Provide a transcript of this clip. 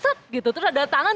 terus ada tangan